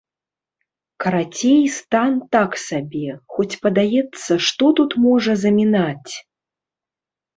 Карацей, стан так сабе, хоць падаецца, што тут можа замінаць?